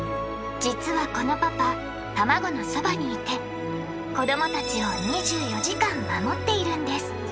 実はこのパパタマゴのそばにいて子どもたちを２４時間守っているんです。